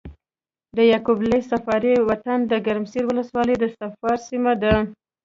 د يعقوب ليث صفاري وطن د ګرمسېر ولسوالي د صفار سيمه ده۔